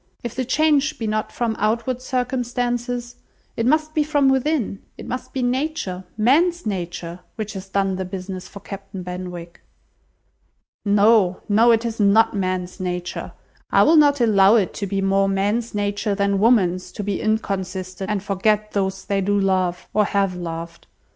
If the change be not from outward circumstances, it must be from within; it must be nature, man's nature, which has done the business for Captain Benwick." "No, no, it is not man's nature. I will not allow it to be more man's nature than woman's to be inconstant and forget those they do love, or have loved.